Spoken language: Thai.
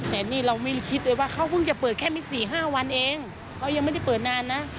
แต่นี่เราไม่คิดเลยว่าเขาเพิ่งจะเปิดแค่ไม่สี่ห้าวันเองเขายังไม่ได้เปิดนานนะ